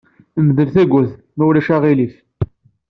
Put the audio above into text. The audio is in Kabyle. Mdel tawwurt, ma ulac aɣilif!